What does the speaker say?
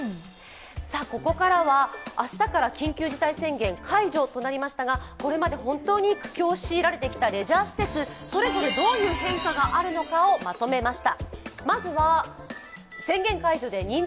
ここからは、明日から緊急事態宣言解除となりましたがこれまで本当に苦境を強いられてきたレジャー施設それぞれどういう変化があるのかをまとめました。